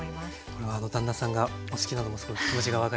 これは旦那さんがお好きなのもすごい気持ちが分かります。